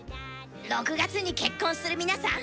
６月に結婚する皆さん。